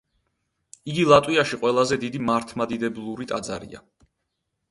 იგი ლატვიაში ყველაზე დიდი მართლმადიდებლური ტაძარია.